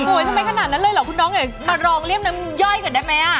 ทำไมขนาดนั้นเลยเหรอคุณน้องอยากมาลองเรียกน้ำย่อยก่อนได้ไหมอ่ะ